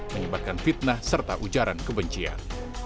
menyebabkan fitnah serta ujaran kebencian